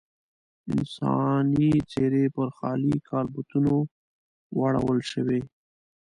انساني څېرې پر خالي کالبوتونو واړول شوې.